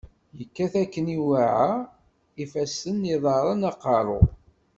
yekkat akken iweɛa, ifassen, iḍaren, aqeṛṛu.